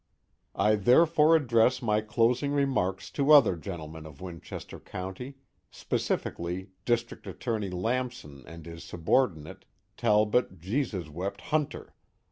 _ _I therefore address my closing remarks to other gentlemen of Winchester County, specifically District Attorney Lamson and his subordinate Talbot Jesus wept Hunter.